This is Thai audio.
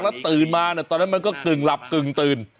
แล้วตื่นมาตอนนั้นมันก็กึ่งหลับกึ่งตื่น